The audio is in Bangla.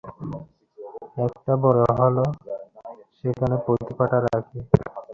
একটা বড় হল, সেখানে পুঁথি-পাটা রাখিবে।